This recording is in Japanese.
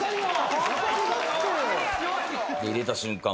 入れた瞬間